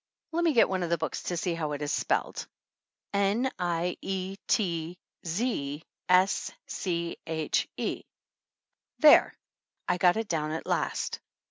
Let me get one of the books to see how it is spelled. N i e t z s c h e ! There! I got it down at last